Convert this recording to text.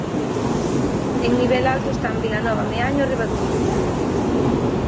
En nivel alto están Vilanova, Meaño e Ribadumia.